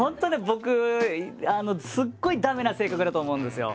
僕すごい駄目な性格だと思うんですよ。